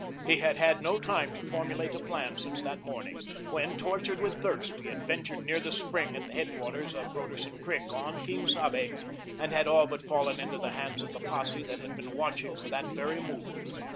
He had had no time to formulate a plan since that morning, when, tortured with thirst, he had ventured near the spring at the headwaters of Broderson Creek, on Quien Sabe, and had all but fallen into the hands of the posse that had been watching for that very move.